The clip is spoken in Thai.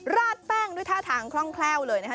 ราดแป้งด้วยท่าทางคล่องแคล่วเลยนะคะ